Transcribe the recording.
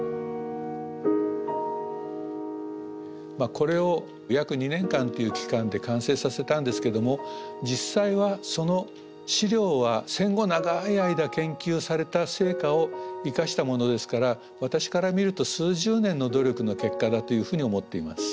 これを約２年間っていう期間で完成させたんですけども実際はその史料は戦後長い間研究された成果を生かしたものですから私から見ると数十年の努力の結果だというふうに思っています。